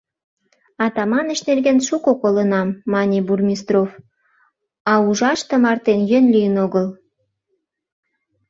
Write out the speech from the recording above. — Атаманыч нерген шуко колынам, — мане Бурмистров, — а ужаш тымартен йӧн лийын огыл.